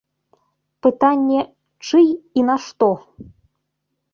Пытанне, чый і на што?